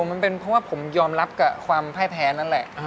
มันเป็นเพราะว่าผมยอมรับกับความพ่ายแพ้นั่นแหละ